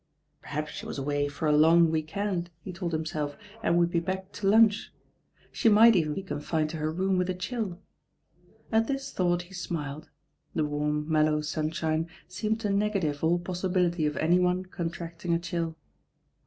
Perhaps she was away for a long week end, he told himself, and would be back to lunch. She might even be confined to her room with a chill. At this thought he smiled. The warm, mellow sunshine seemed to negative all possibility of any one con tracting a chill.